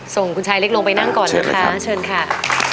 ส่งคุณชายเล็กลงไปนั่งก่อนนะคะเชิญค่ะ